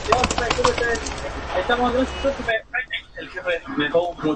Recibió un puesto de Ingeniera de estudio.